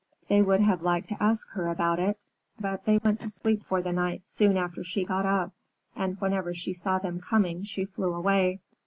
They would have liked to ask her about it, but they went to sleep for the night soon after she got up, and whenever she saw them coming she flew away.